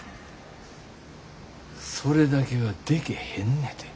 それだけはでけへんねて。